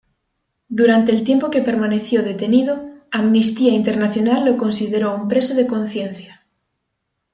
Durante el tiempo que permaneció detenido, Amnistía Internacional lo consideró un preso de conciencia.